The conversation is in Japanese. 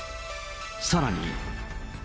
さらに。